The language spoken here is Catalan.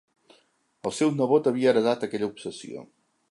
El seu nebot havia heretat aquella obsessió.